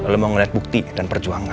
lo mau ngeliat bukti dan perjuangan